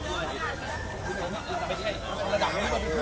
สวัสดีทุกคน